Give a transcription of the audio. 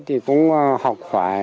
thì cũng học hoài